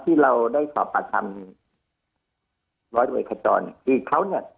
ที่เราได้ขอบประทำร้อยไว้ขจรคือเขาเนี้ย